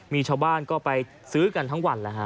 มีชาวบ้านก็ไปซื้อกันทั้งวัน